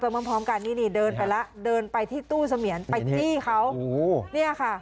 พร้อมพร้อมกันนี่นี่เดินไปแล้วเดินไปที่ตู้เสมียนไปจี้เขาโอ้โหเนี่ยค่ะ